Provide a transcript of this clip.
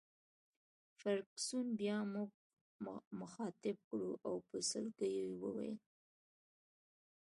فرګوسن بیا موږ مخاطب کړو او په سلګیو یې وویل.